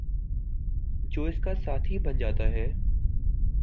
جو اس کا ساتھی بن جاتا ہے